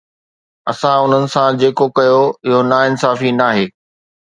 اسان انهن سان جيڪو ڪيو اهو ناانصافي ناهي